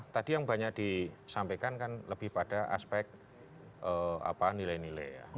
tadi yang banyak disampaikan kan lebih pada aspek nilai nilai ya